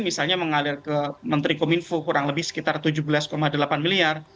misalnya mengalir ke menteri kominfo kurang lebih sekitar tujuh belas delapan miliar